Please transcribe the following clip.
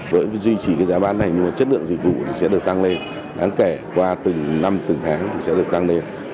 bởi vì duy trì cái giá bán này nhưng mà chất lượng dịch vụ thì sẽ được tăng lên đáng kể qua từng năm từng tháng thì sẽ được tăng lên